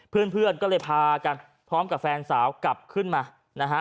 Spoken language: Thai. เพื่อนก็เลยพากันพร้อมกับแฟนสาวกลับขึ้นมานะฮะ